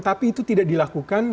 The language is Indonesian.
tapi itu tidak dilakukan